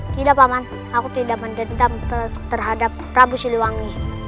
tidak pak man aku tidak mendendam terhadap prabu siliwangi